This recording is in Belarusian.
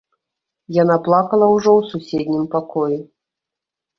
Яна плакала ўжо ў суседнім пакоі.